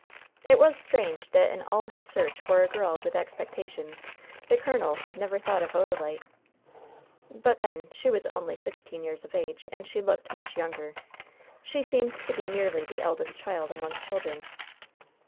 It was strange that in all his search for a girl with expectations the colonel had never thought of Odalite. But, then, she was only sixteen years of age, and she looked much younger. She seemed to be merely the eldest child among children.